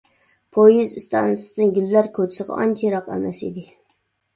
پويىز ئىستانسىسىدىن گۈللەر كوچىسىغا ئانچە يىراق ئەمەس ئىدى.